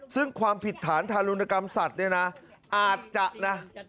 ซึ่งความผิดฐานทารุณกรรมสัตว์เนี่ยนะอาจจะนะ